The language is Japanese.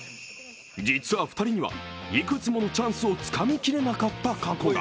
実は２人は、いくつものチャンスをつかみきれなかった過去が。